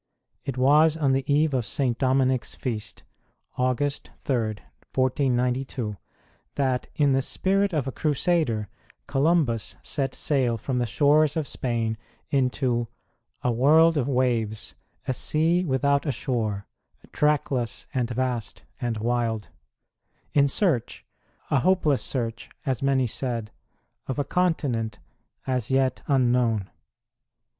It was on the eve of St. Dominic s Feast August 3, 1492 that, in the spirit of a Crusader, Columbus set sail from the shores of Spain into A world of waves, a sea without a shore, Trackless and vast and wild, in search a hopeless search, as many said of a continent as yet unknown.